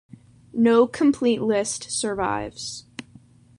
No complete list survives.